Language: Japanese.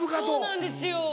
そうなんですよ。